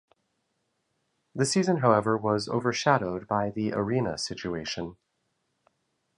The season, however, was overshadowed by the arena situation.